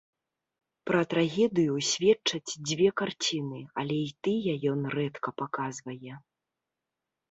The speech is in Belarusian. Пра трагедыю сведчаць дзве карціны, але і тыя ён рэдка паказвае.